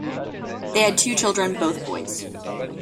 They had two children, both boys.